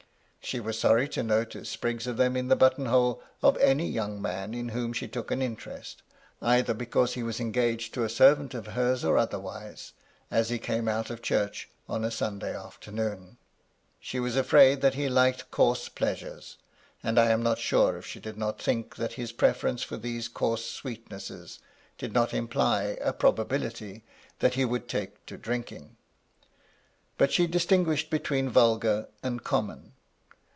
She was sorry to notice sprigs of them in the button hole of any young man in whom she t ook an interest, either because he was engaged to a servant of hers or otherwise, as he came out of church on a Sunday afternoon. She was afraid that he liked coarse pleasures; and I am not sure if she did not think that his preference for these coarse sweetnesses did not imply a probability that he would take to drinking. But she distinguished between vulgar and common.